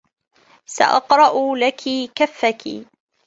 سأقرأ لكِ كفّكِ.